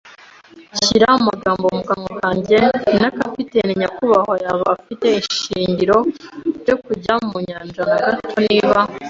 shyira amagambo mu kanwa kanjye. Nta capitaine, nyakubahwa, yaba afite ishingiro ryo kujya mu nyanja na gato niba